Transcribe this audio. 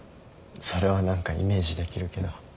それは何かイメージできるけど。